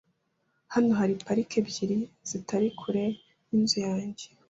Hano hari parike ebyiri zitari kure yinzu yanjye.